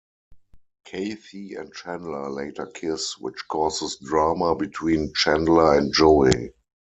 Kathy and Chandler later kiss, which causes drama between Chandler and Joey.